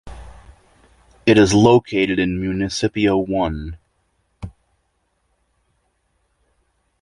It is located in Municipio One.